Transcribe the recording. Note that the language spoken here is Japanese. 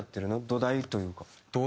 土台というか。